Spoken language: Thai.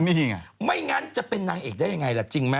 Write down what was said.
นี่ไงไม่งั้นจะเป็นนางเอกได้ยังไงล่ะจริงไหม